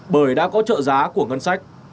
bởi đã có trợ giá của ngân sách